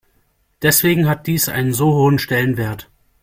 Deswegen hat dies einen so hohen Stellenwert.